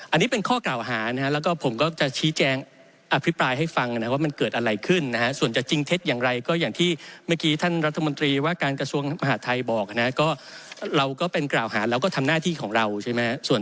อันนี้เป็นข้อกล่าวหาแล้วก็ผมจะชี้แจงอภิปรายให้ฟังว่ามันเกิดอะไรขึ้น